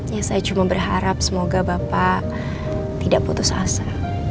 ya saya cuma berharap semoga bapak tidak putus asa